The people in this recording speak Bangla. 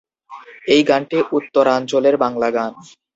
এ গানটি উত্তরাঞ্চলের বাংলা গান।